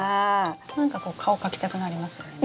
なんかこう顔描きたくなりますよね。